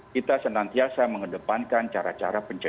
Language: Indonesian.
kita senantiasa mengedepankan cara cara pencegahan